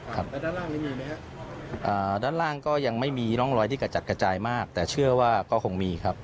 ครับแล้วด้านล่างนี้มีไหมครับด้านล่างก็ยังไม่มีร่องรอยที่กระจัดกระจายมากแต่เชื่อว่าก็คงมีครับ